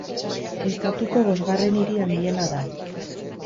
Estatuko bosgarren hiri handiena da.